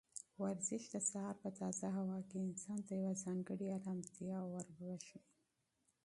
ورزش د سهار په تازه هوا کې انسان ته یوه ځانګړې ارامتیا وربښي.